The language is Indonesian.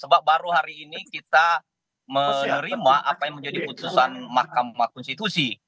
sebab baru hari ini kita menerima apa yang menjadi putusan mahkamah konstitusi